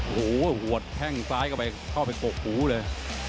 เอรินหัวแพร่งซ้ายเข้าไปกบหูเลย